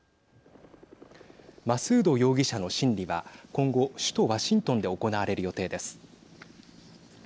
マスード容疑者の審理は今後、首都ワシントンで行われる予定です。